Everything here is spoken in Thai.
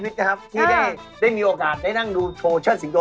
ที่ได้มีโอกาสได้นั่งดูโชว์ชั้นสิงโก